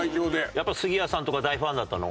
やっぱ杉谷さんとか大ファンだったの？